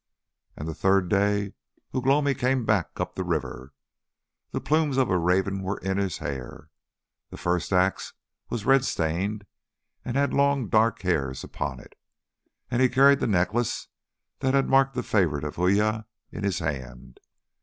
And the third day Ugh lomi came back, up the river. The plumes of a raven were in his hair. The first axe was red stained, and had long dark hairs upon it, and he carried the necklace that had marked the favourite of Uya in his hand.